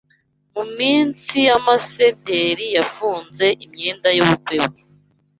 Munsi y'amasederi yafunze imyenda y'ubukwe bwe